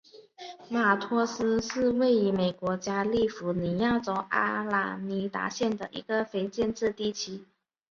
马托斯是位于美国加利福尼亚州阿拉米达县的一个非建制地区。